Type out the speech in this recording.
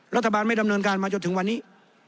รัฐบาลไม่ดำเนินการมาจนถึงวันนี้